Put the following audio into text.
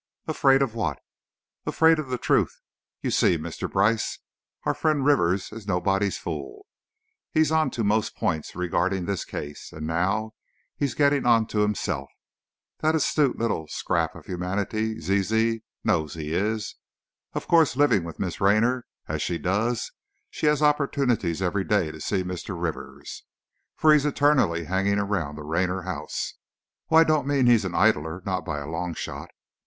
"Afraid of what?" "Afraid of the truth. You see, Mr. Brice, our friend Rivers is nobody's fool. He's onto most points regarding this case, and now, he's getting onto himself. That astute little scrap of humanity, Zizi, knows he is. Of course, living with Miss Raynor, as she does, she has opportunities every day to see Mr. Rivers, for he's eternally hanging around the Raynor house. Oh, I don't mean he's an idler; not by a long shot.